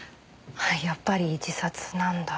やっぱり自殺なんだ。